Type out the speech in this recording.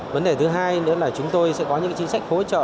vấn đề thứ hai nữa là chúng tôi sẽ có những chính sách hỗ trợ